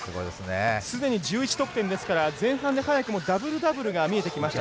すでに１１得点ですから前半で早くもダブルダブルが見えてきました。